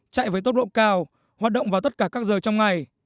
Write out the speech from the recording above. chạy với tốc độ cao hoạt động vào tất cả các giờ trong ngày